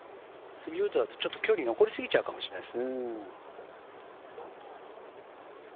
３ウッドだと距離が残りすぎちゃうかもしれないです。